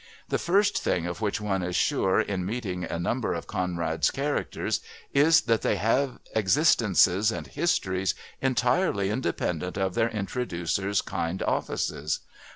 The first thing of which one is sure in meeting a number of Conrad's characters is that they have existences and histories entirely independent of their introducer's kind offices.